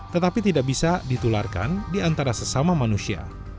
tetapi tidak bisa ditularkan di antara sesama manusia